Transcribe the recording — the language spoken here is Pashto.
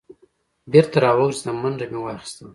بېرته را وګرځېدم منډه مې واخیسته.